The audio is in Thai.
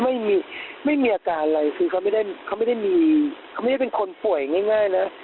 ไม่ไม่มีอาการอะไรคือเขาไม่ได้เขาไม่ได้มีเขาไม่ได้เป็นคนป่วยง่ายนะ